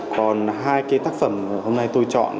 còn hai cái tác phẩm hôm nay tôi chọn